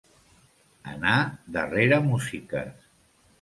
Anar darrere músiques.